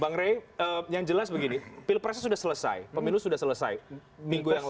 bang rey yang jelas begini pilpresnya sudah selesai pemilu sudah selesai minggu yang lalu